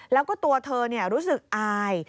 แล้วก็ตัวเธอรู้สึกอาย